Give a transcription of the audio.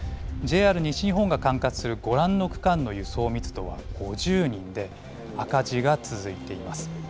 ＪＲ西日本が管轄する、ご覧の区間の輸送密度は５０人で、赤字が続いています。